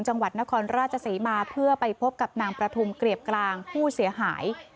จังหวัดนครราชศรีมาเพื่อไปพบกับนางประทุมเกลียบกลางผู้เสียหาย